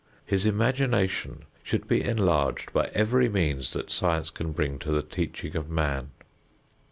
His imagination should be enlarged by every means that science can bring to the teaching of man.